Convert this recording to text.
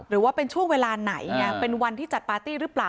หรือว่าเป็นช่วงเวลาไหนไงเป็นวันที่จัดปาร์ตี้หรือเปล่า